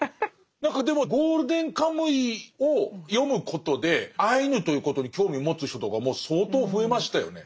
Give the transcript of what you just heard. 何かでも「ゴールデンカムイ」を読むことでアイヌということに興味を持つ人とかも相当増えましたよね。